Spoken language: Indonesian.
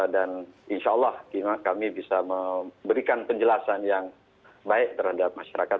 insya allah kami bisa memberikan penjelasan yang baik terhadap masyarakat